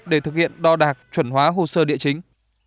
để thực hiện đo đạc chuẩn hóa hồ sơ địa chính